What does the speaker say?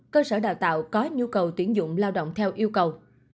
cơ sở đào tạo có nhu cầu tuyển dụng lao động theo yêu cầu